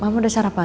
mama udah sarapan